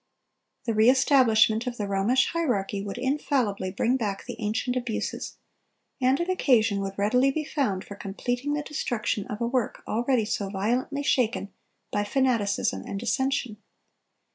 "The re establishment of the Romish hierarchy ... would infallibly bring back the ancient abuses;" and an occasion would readily be found for "completing the destruction of a work already so violently shaken" by fanaticism and dissension.